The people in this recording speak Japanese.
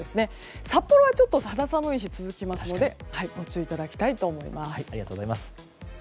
札幌はちょっと肌寒い日が続きますのでご注意いただきたいと思います。